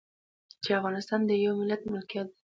چې افغانستان د يوه ملت ملکيت دی.